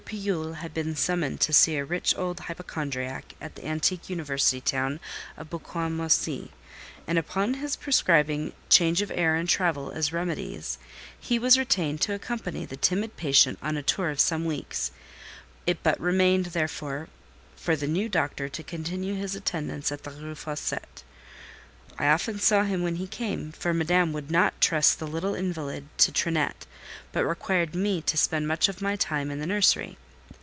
Pillule had been summoned to see a rich old hypochondriac at the antique university town of Bouquin Moisi, and upon his prescribing change of air and travel as remedies, he was retained to accompany the timid patient on a tour of some weeks; it but remained, therefore, for the new doctor to continue his attendance at the Rue Fossette. I often saw him when he came; for Madame would not trust the little invalid to Trinette, but required me to spend much of my time in the nursery.